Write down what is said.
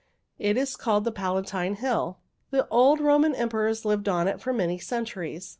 It is called the Palatine Hill. The old Roman emperors lived on it for many centuries.